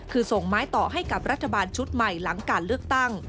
คือส่งไม้ต่อให้กับรัฐบาลชุดใหม่หลังการเลือกตั้ง